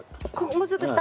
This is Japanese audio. もうちょっと下？